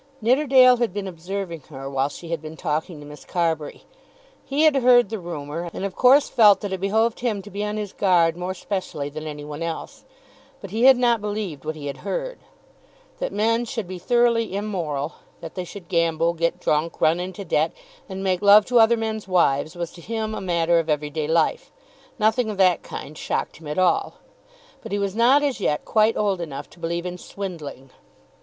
Nidderdale had been observing her while she had been talking to Miss Carbury. He had heard the rumour, and of course felt that it behoved him to be on his guard more specially than any one else. But he had not believed what he had heard. That men should be thoroughly immoral, that they should gamble, get drunk, run into debt, and make love to other men's wives, was to him a matter of every day life. Nothing of that kind shocked him at all. But he was not as yet quite old enough to believe in swindling.